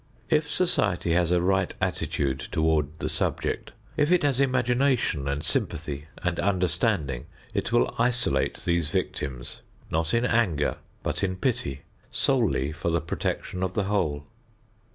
If society has a right attitude toward the subject, if it has imagination and sympathy and understanding, it will isolate these victims, not in anger but in pity, solely for the protection of the whole.